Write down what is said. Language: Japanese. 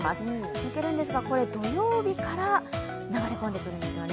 抜けるんですが、これ、土曜日から流れ込んでくるんですよね。